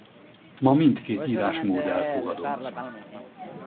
Ma mindkét írásmód elfogadott.